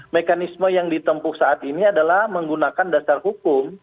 mekanisme yang ditempuh saat ini adalah menggunakan dasar hukum